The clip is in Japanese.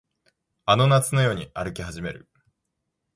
あの夏のように歩き始める